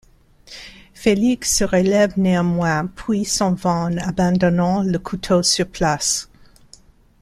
Fellig se relève néanmoins puis s'en va en abandonnant le couteau sur place.